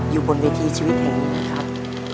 อยู่บนเวทีชีวิตแห่งนี้นะครับ